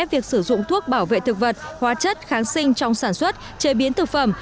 việc sử dụng thuốc bảo vệ thực vật hóa chất kháng sinh trong sản xuất chế biến thực phẩm